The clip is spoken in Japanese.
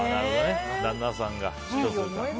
旦那さんが嫉妬するんだ。